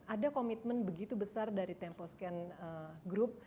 ada komitmen begitu besar dari tempo scan group